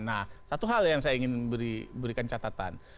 nah satu hal yang saya ingin berikan catatan